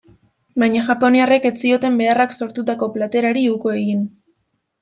Baina japoniarrek ez zioten beharrak sortutako plater hari uko egin.